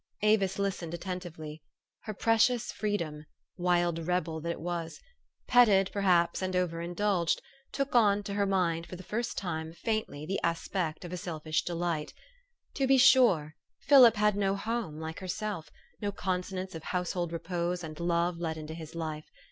Avis listened attentively. Her precious freedom wild rebel that it was ! pet ted, perhaps, and over indulged took on to her mind for the first time, faintly, the aspect of a self ish delight. To be sure, Philip had no home, like herself, no consonance of household repose and love let into his life.